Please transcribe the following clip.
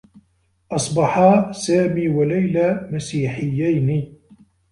أصبحا سامي و ليلى مسيحيّين.